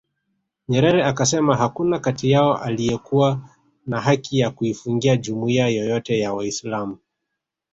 Nyerere akasema hakuna kati yao aliyekuwa na haki ya kuifungia jumuiya yoyote ya Waislam